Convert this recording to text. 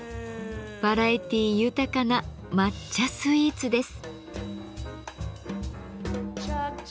バラエティー豊かな抹茶スイーツです。